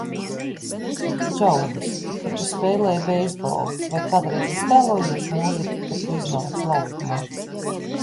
Džouns, kad tu spēlēji beisbolu, vai kādreiz iztēlojies mūziku, kad tu iznāci laukumā?